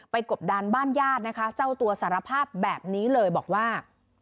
กบดานบ้านญาตินะคะเจ้าตัวสารภาพแบบนี้เลยบอกว่า